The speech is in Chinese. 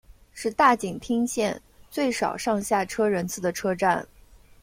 是大井町线最少上下车人次的车站。